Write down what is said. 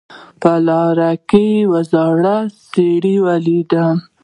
په لاره کې یو زوړ سړی ولیدم